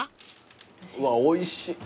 うわおいしい。